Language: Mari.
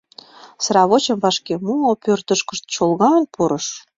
Сравочым вашке муо, пӧртышкышт чолган пурыш.